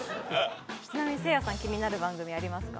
ちなみにせいやさん気になる番組ありますか？